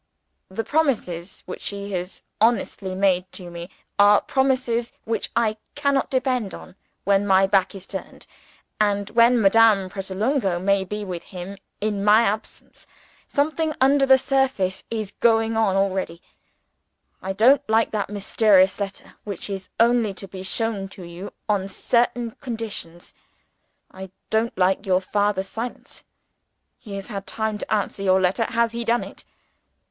"The promises which he has honestly made to me, are promises which I cannot depend on when my back is turned, and when Madame Pratolungo may be with him in my absence. Something under the surface is going on already! I don't like that mysterious letter, which is only to be shown to you on certain conditions. I don't like your father's silence. He has had time to answer your letter. Has he done it?